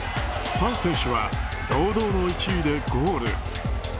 ファン選手は堂々の１位でゴール。